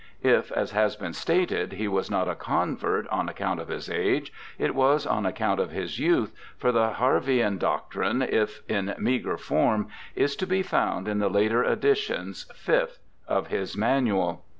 If, as has been stated, he was not a convert on account of his age, it was on account of his youth, for the Harveian doctrine, if in meagre form, is to be found in the later editions (5th) of his Manual.